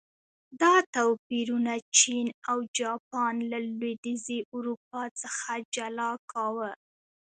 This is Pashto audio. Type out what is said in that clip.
دا توپیرونه چین او جاپان له لوېدیځې اروپا څخه جلا کاوه.